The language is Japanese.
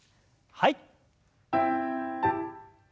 はい。